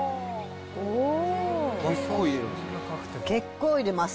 結構入れます。